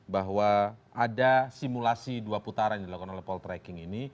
bahwa ada simulasi dua putaran dilakukan oleh poltrek ini